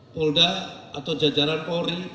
polda atau jajaran kori